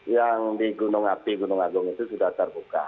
yang di gunung api gunung agung itu sudah terbuka